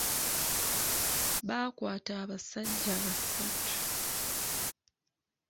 Baakwata abasajja basatu.